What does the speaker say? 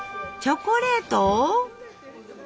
チョコレート？